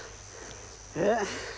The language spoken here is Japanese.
えっ？